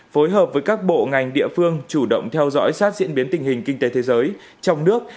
phối hợp với các bộ ngành địa phương chủ động theo dõi sát diễn biến tình hình kinh tế thế giới trong nước